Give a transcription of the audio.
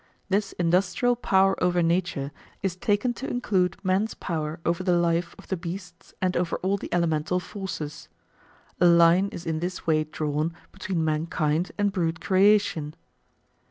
This industrial power over nature is taken to include man's power over the life of the beasts and over all the elemental forces. A line is in this way drawn between mankind and brute creation.